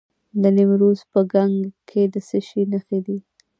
د نیمروز په کنگ کې د څه شي نښې دي؟